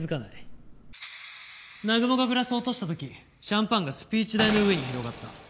南雲がグラスを落とした時シャンパンがスピーチ台の上に広がった。